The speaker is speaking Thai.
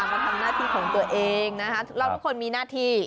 มาทำหน้าที่ของตัวเองนะคะเราทุกคนมีหน้าที่